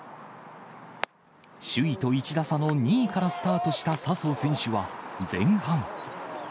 首位と１打差の２位からスタートした笹生選手は前半。